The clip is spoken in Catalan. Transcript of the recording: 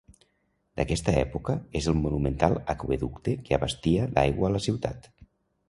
D'aquesta època és el monumental aqüeducte que abastia d'aigua a la ciutat.